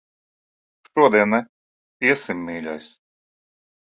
Šodien ne. Iesim, mīļais.